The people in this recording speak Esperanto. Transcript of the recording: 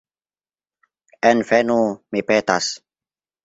Envenu, mi petas.